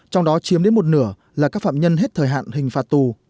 trong đó chiếm đến một nửa là các phạm nhân hết thời hạn hình phạt tù